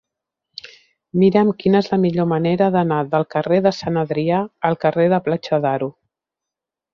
Mira'm quina és la millor manera d'anar del carrer de Sant Adrià al carrer de Platja d'Aro.